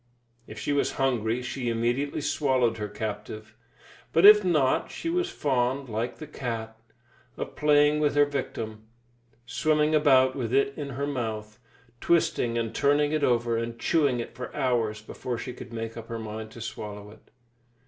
If she was hungry, she immediately swallowed her captive, but if not, she was fond, like the cat, of playing with her victim, swimming about with it in her mouth, twisting and turning it over, and chewing it for hours before she could make up her mind to swallow it.